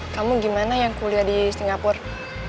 kamu gimana yang kuliah di singapura